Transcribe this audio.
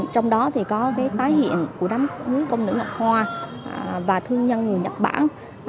trong đó có tái hiện đám cưới công nữ ngọc hoa và thương nhân người nhật bản